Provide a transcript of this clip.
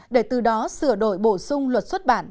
để từ đó sửa đổi bổ sung luật xuất bản